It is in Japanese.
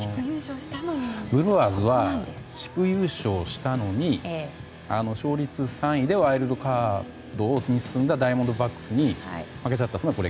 ブルワーズは地区優勝したのに勝率３位でワイルドカードに進んだダイヤモンドバックスに負けちゃったのは